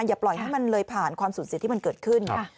อย่าปล่อยให้มันเลยผ่านความสูญเสียที่มันเกิดขึ้น